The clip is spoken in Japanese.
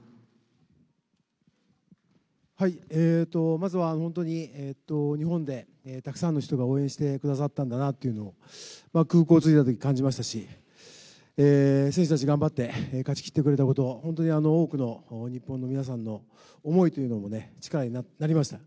まずは本当に、日本でたくさんの人が応援してくださったんだなというのを、空港着いたときに感じましたし、選手たち頑張って勝ちきってくれたこと、本当に多くの日本の皆さんの思いというのも力になりました。